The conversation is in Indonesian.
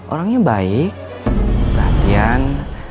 orangnya baik perhatian